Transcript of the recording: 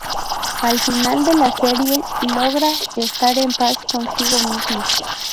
Al final de la serie, logra estar en paz consigo misma.